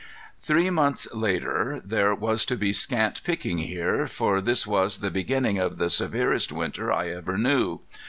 Three months later there was to be scant picking here, for this was the beginning of the severest winter I ever knew.